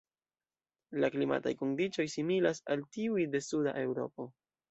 La klimataj kondiĉoj similas al tiuj de suda Eŭropo.